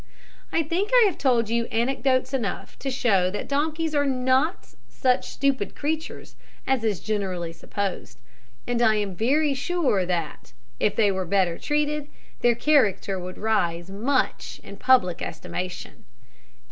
I think I have told you anecdotes enough to show that donkeys are not such stupid creatures as is generally supposed; and I am very sure that, if they were better treated, their character would rise much in public estimation.